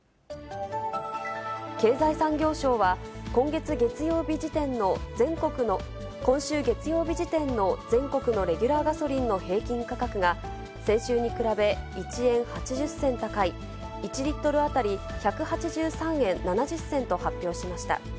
経済産業省は、今週月曜日時点の全国のレギュラーガソリンの平均価格が、先週に比べ、１円８０銭高い、１リットル当たり１８３円７０銭と発表しました。